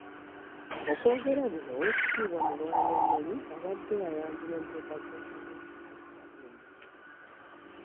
Okwogera bino, Oweekitiibwa Mulwannyammuli abadde ayanjula enteekateeka z'okuzimba embuga